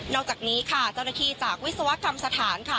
อกจากนี้ค่ะเจ้าหน้าที่จากวิศวกรรมสถานค่ะ